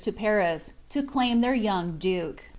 23 Paris, to claim their young duke.